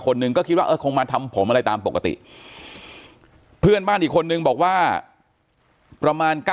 หนึ่งก็คิดว่าเออคงมาทำผมอะไรตามปกติเพื่อนบ้านอีกคนนึงบอกว่าประมาณ